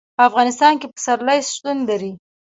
په افغانستان کې پسرلی شتون لري.